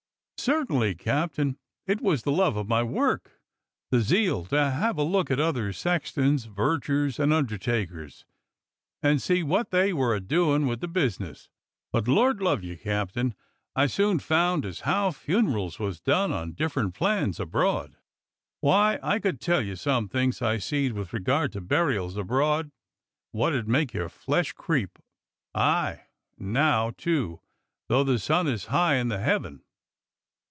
"Certainly, Captain. It was the love of my work. The zeal to have a look at other sextons, vergers, and undertakers and see what they were a doin' with the business. But Lord love you, Captain, I soon found as how funerals was done on different plans abroad. Why, I could tell you some things I seed with regard to burials abroad what 'ud make your flesh creep — aye, and now, too, though the sun is high in the heaven."